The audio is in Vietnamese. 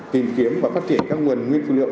tìm kiếm và phát triển các nguồn nguyên phụ liệu